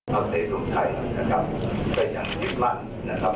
ภังเศรษฐุรกิจไทยนะครับ